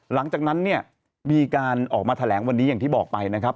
หลังจากนั้นเนี่ยมีการออกมาแถลงวันนี้อย่างที่บอกไปนะครับ